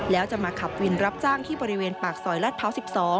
แล้วจะมาขับวินรับจ้างที่บริเวณปากซอยลาดพร้าว๑๒